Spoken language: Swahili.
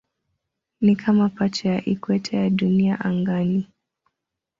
Ni kama pacha ya ikweta ya Dunia angani.